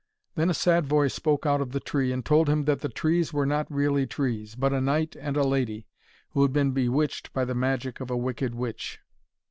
Then a sad voice spoke out of the tree, and told him that the trees were not really trees, but a knight and a lady, who had been bewitched by the magic of a wicked witch.